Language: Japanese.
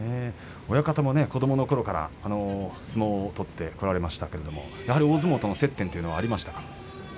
親方も子どものころから相撲を取ってこられましたけれどもやはり大相撲との接点はありましたか。